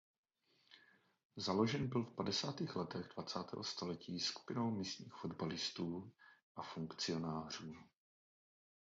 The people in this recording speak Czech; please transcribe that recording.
Založen byl v padesátých letech dvacátého století skupinou místních fotbalistů a funkcionářů.